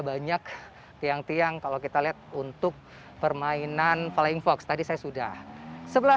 banyak tiang tiang kalau kita lihat untuk permainan flying fox tadi saya sudah sebelah